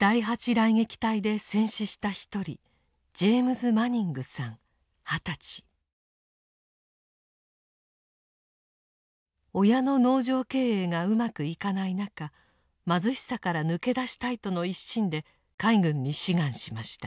雷撃隊で戦死した一人親の農場経営がうまくいかない中貧しさから抜け出したいとの一心で海軍に志願しました。